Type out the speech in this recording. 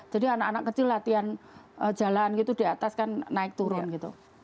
jadi anak anak kecil latihan jalan gitu di atas kan naik turun gitu